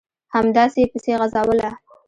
همداسې یې پسې غځوله ...